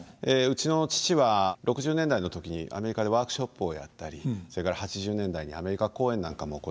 うちの父は６０年代の時にアメリカでワークショップをやったりそれから８０年代にアメリカ公演なんかも行いましたので。